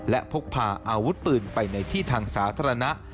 และพกพาอาวุธปืนไปในที่ทางสาธารณะ